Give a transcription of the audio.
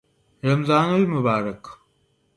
رمضان المبارک